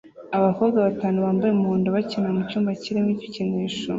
Abakobwa batanu bambaye umuhondo bakina mucyumba kirimo ibikinisho